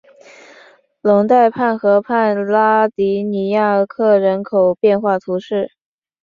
龙代勒河畔拉迪尼亚克人口变化图示